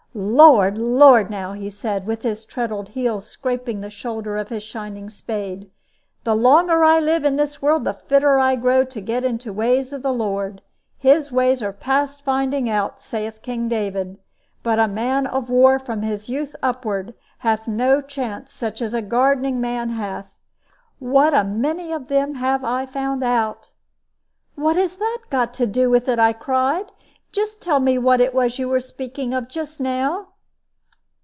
"Lord! Lord, now!" he said, with his treddled heel scraping the shoulder of his shining spade; "the longer I live in this world, the fitter I grow to get into the ways of the Lord. His ways are past finding out, saith King David: but a man of war, from his youth upward, hath no chance such as a gardening man hath. What a many of them have I found out!" "What has that got to do with it!" I cried. "Just tell me what it was you were speaking of just now."